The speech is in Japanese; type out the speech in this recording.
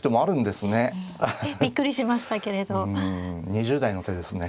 ２０代の手ですね。